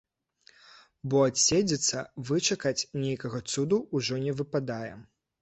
Бо адседзецца, вычакаць нейкага цуду ўжо не выпадае.